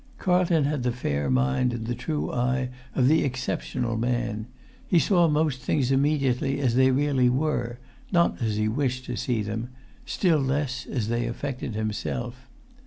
Carlton had the fair mind and the true eye of the exceptional man. He saw most things immediately as they really were, not as he wished to see them, still less as they affected himself.